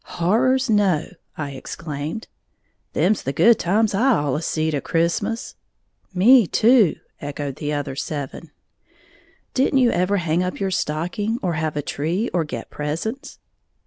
"Horrors, no!" I exclaimed. "Them's the good times I allus seed a Christmas." "Me, too!" echoed the other eleven. "Didn't you ever hang up your stocking, or have a tree or get presents?"